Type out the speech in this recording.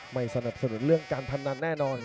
ไม่สนับสนุนเรื่องการพนันแน่นอน